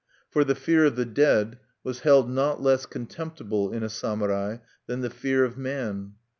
For the fear of the dead was held not less contemptible in a samurai than the fear of man.